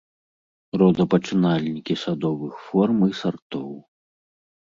Родапачынальнікі садовых форм і сартоў.